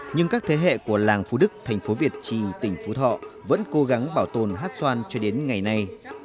nhưng các thế hệ của làng phú đức thành phố việt trì tỉnh phú thọ vẫn cố gắng bảo tồn hát xoan cho đến ngày nay